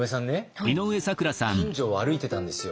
近所を歩いてたんですよ。